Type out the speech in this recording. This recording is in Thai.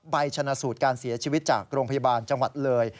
ใบชนะสูตรการเสียชีวิตจากโรงพยาบาลจังหวัดเลย